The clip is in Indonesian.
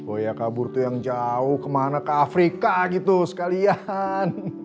oh ya kabur tuh yang jauh kemana ke afrika gitu sekalian